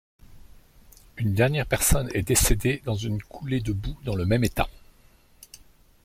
Une dernière personne est décédée dans un coulée de boue dans le même État.